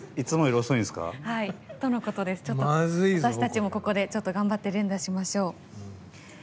私たちもここで、頑張って連打しましょう。